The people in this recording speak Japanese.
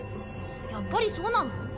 やっぱりそうなの？